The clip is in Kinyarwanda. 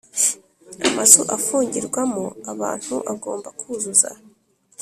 Amazu afungirwamo abantu agomba kuzuza